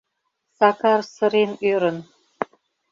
— Сакар сырен ӧрын.